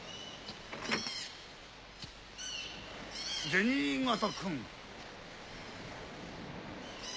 銭形君！